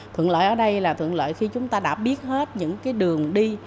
thuận lợi ở đây là thuận lợi khi chúng ta đã biết hết những đường đi